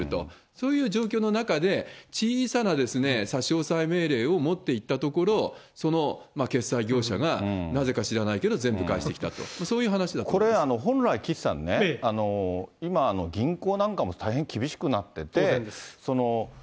そういう状況の中で、小さな差し押さえ命令を持っていったところ、その決済業者がなぜか知らないけど全部返してきたと、そういう話これ、本来岸さんね、今、銀行なんかも大変厳しくなってて。